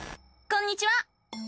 こんにちは！